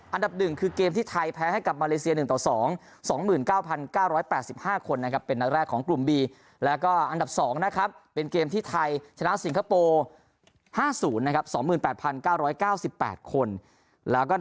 อันดับหนึ่งคือเกมที่ไทยแพ้ให้กับมาเลเซียหนึ่งแต่สอง